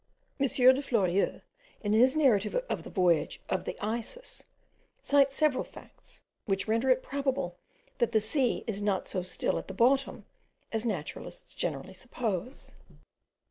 M. de Fleurieu, in his narrative of the voyage of the Isis, cites several facts, which render it probable that the sea is not so still at the bottom as naturalists generally suppose.